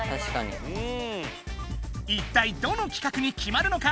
一体どの企画にきまるのか。